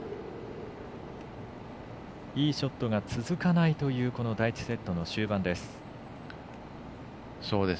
いいショットが続かないという第１セットの終盤です。